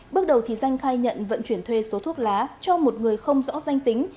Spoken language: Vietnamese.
bước đầu danh khai nhận vận chuyển thuê số thuốc lá cho một người không rõ danh tính